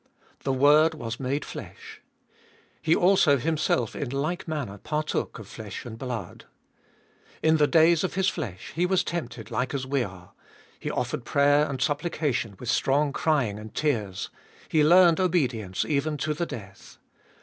The Word was made flesh. He also Himself in like manner fiartook of flesh and blood. In the days of His flesh, He was tempted like as we are ; He offered prayer and supplication with strong crying and tears. He learned obedience even to the death.